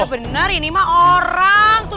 bener ini mah orang tuh